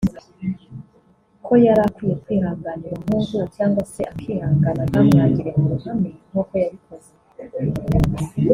ko yari akwiye kwihanganira umuhungu cyangwa se akihangana ntamwangire mu ruhamwe nk’uko yabikoze